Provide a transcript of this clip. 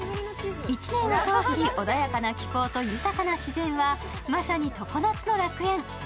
１年を通し、穏やかな気候と豊かな自然はまさに常夏の楽園。